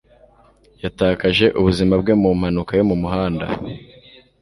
Yatakaje ubuzima bwe mu mpanuka yo mu muhanda.